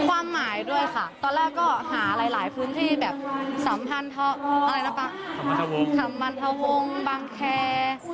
ความหมายด้วยค่ะตอนแรกก็หาหลายพื้นที่แบบสัมพันธพวงษ์บังแคร์